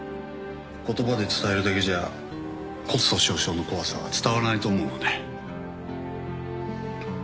言葉で伝えるだけじゃ骨粗しょう症の怖さは伝わらないと思うので。